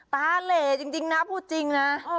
ตาเหล่จริงนะพูดจริงนะ